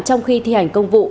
trong khi thi hành công vụ